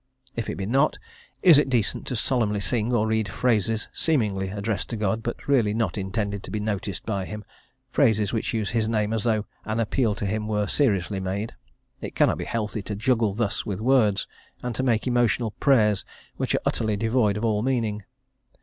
If it be not, is it decent to solemnly sing or read phrases seemingly addressed to God, but really not intended to be noticed by him, phrases which use His name as though an appeal to Him were seriously made? It cannot be healthy to juggle thus with words, and to make emotional prayers which are utterly devoid of all meaning.